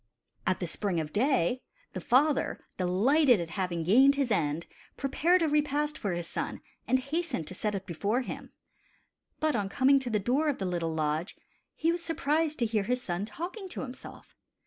At the spring of day, the father, delighted at having gained his end, prepared a repast for his son and hastened to set it before him. But on coming to the door of rhe little lodge, he was surprised to hear his son talking to himself.